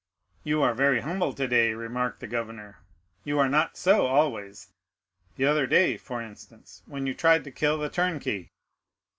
"You are very humble today," remarked the governor; "you are not so always; the other day, for instance, when you tried to kill the turnkey."